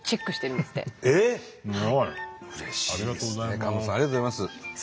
菅野さんありがとうございます。